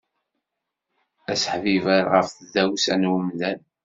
Aseḥbiber ɣef tdawsa n umdan.